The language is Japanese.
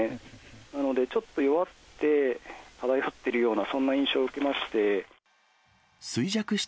なので、ちょっと弱って、漂ってるような、そんな印象を受けまして。